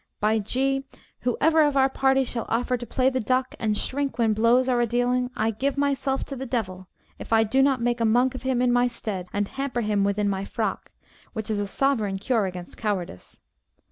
By G , whoever of our party shall offer to play the duck, and shrink when blows are a dealing, I give myself to the devil, if I do not make a monk of him in my stead, and hamper him within my frock, which is a sovereign cure against cowardice.